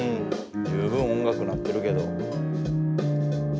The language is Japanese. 十分音楽になってるけど。